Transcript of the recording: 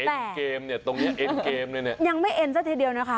ยังไงเอนเกมเนี้ยตรงเนี้ยเอนเกมเลยเนี้ยยังไม่เอ็นสักทีเดียวนะคะ